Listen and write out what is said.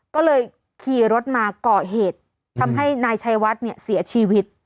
ก็เลยขี่รถมาก่อเหตุทำให้นายชัยวัดเนี่ยเสียชีวิต